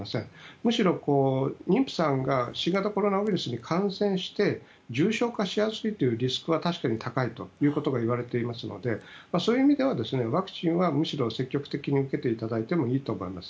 むしろ妊婦さんが新型コロナウイルスに感染して重症化しやすいというリスクは確かに高いということがいわれていますのでそういう意味ではワクチンはむしろ積極的に受けていただいてもいいと思います。